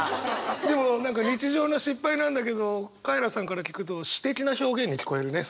でも何か日常の失敗なんだけどカエラさんから聞くと詩的な表現に聞こえるね。